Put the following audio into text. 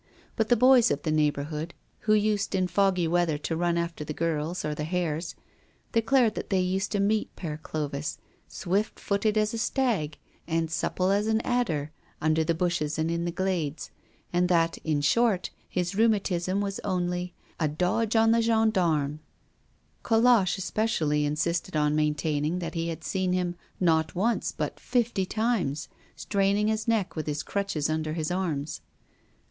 But the boys of the neighborhood, who used in foggy weather to run after the girls or the hares, declared that they used to meet Père Clovis, swift footed as a stag, and supple as an adder, under the bushes and in the glades, and that, in short, his rheumatism was only "a dodge on the gendarmes." Colosse, especially, insisted on maintaining that he had seen him, not once, but fifty times, straining his neck with his crutches under his arms.